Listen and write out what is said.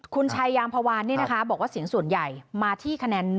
คุณชายามพวานบอกว่าเสียงส่วนใหญ่มาที่คะแนน